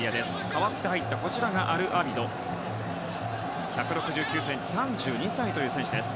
代わって入ったアルアビドは１６９ｃｍ３２歳という選手です。